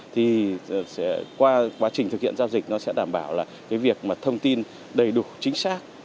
thì qua quá trình thực hiện giao dịch nó sẽ đảm bảo là cái việc mà thông tin đầy đủ chính xác